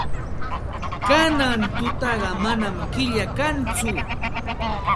Kanan tutaqa manam killa kanchu.